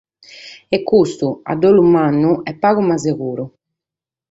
E custu, a dolu mannu, est pagu ma seguru.